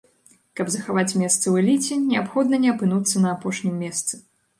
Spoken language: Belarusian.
Каб захаваць месца ў эліце, неабходна не апынуцца на апошнім месцы.